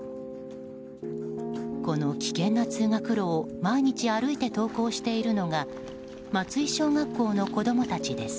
この危険な通学路を毎日歩いて登校しているのが松井小学校の子供たちです。